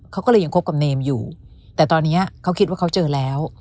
เขาก็เลยยังคบกับเนมอยู่แต่ตอนนี้เขาคิดว่าเขาเจอแล้ว